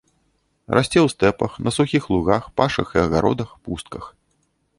Расце ў стэпах, на сухіх лугах, пашах і агародах, пустках.